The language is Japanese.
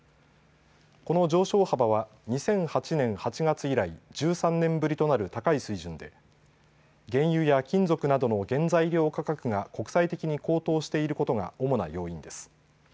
この上昇幅は２００８年８月以来、１３年ぶりとなる高い水準で原油や金属などの原材料価格が国際的に高騰していることが主な要因です。